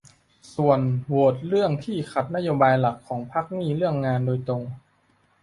ส่วนโหวตเรื่องที่ขัดนโยบายหลักของพรรคนี่เรื่องงานโดยตรง